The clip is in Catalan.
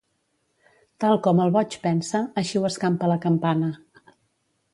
Tal com el boig pensa, així ho escampa la campana.